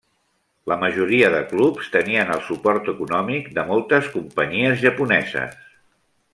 La majoria de clubs tenien el suport econòmic de moltes companyies japoneses.